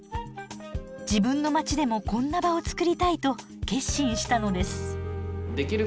自分の街でもこんな場を作りたいと決心したのです。